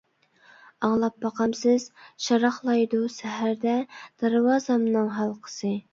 ئاڭلاپ باقامسىز؟ شاراقلايدۇ سەھەردە، دەرۋازامنىڭ ھالقىسى.